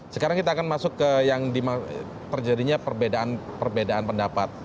sekarang kita akan masuk ke yang terjadinya perbedaan pendapat